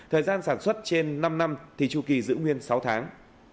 thời gian sản xuất trên năm năm thì chu kỳ giữ nguyên một mươi hai tháng